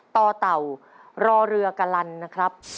ต่อเต่ารอเรือกะลันนะครับ